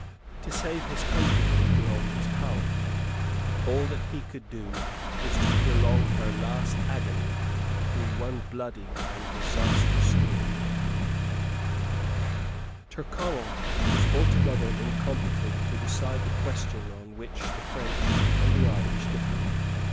To save his country was beyond his power. All that he could do was to prolong her last agony through one bloody and disastrous year, Tyrconnel was altogether incompetent to decide the question on which the French and the Irish differed.